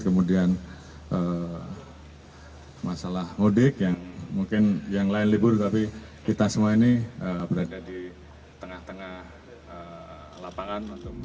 kemudian masalah mudik yang mungkin yang lain libur tapi kita semua ini berada di tengah tengah lapangan